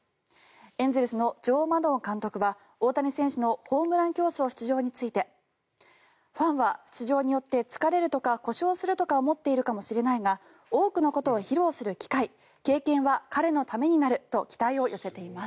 エンゼルスのジョー・マドン監督は大谷選手のホームラン競争出場についてファンは出場によって疲れるとか故障するとか思っているかもしれないが多くのことを披露する機会経験は彼のためになると期待を寄せています。